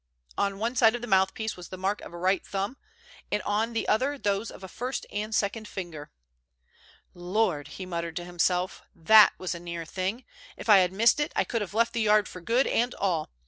On one side of the mouthpiece was the mark of a right thumb, and on the other those of a first and second finger. "Lord!" he muttered to himself, "that was a near thing. If I had missed it, I could have left the Yard for good and all.